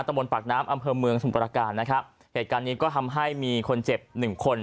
บนปากน้ำอำเภอเมืองสมประการนะครับเหตุการณ์นี้ก็ทำให้มีคนเจ็บหนึ่งคน